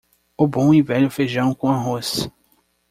O bom e velho feijão com arroz